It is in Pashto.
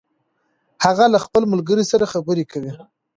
هغه له خپل ملګري سره خبرې کوي